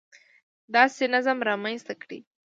داسې نظم رامنځته کړي